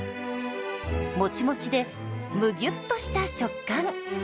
もちもちでむぎゅっとした食感。